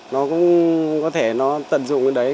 nó cũng có thể nó tận dụng cái đấy